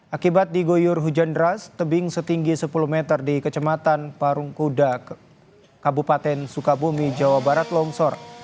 akibat digoyur hujan deras tebing setinggi sepuluh meter di kecematan parungkuda kabupaten sukabumi jawa barat longsor